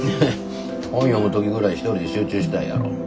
本読む時ぐらい一人で集中したいやろ。